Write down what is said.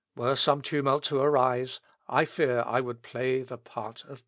Were some tumult to arise, I fear I would play the part of Peter."